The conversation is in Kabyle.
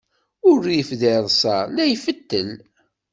Urrif di rṣas la ifettel.